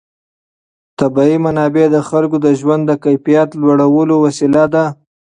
طبیعي منابع د خلکو د ژوند د کیفیت لوړولو وسیله ده.